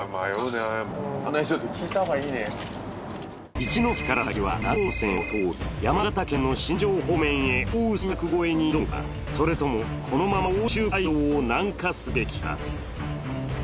一関から先は鳴子温泉を通り山形県の新庄方面へ奥羽山脈越えに挑むかそれともこのまま奥州街道を南下するべきか。